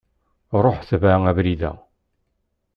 Ruḥ tbeε abrid-a.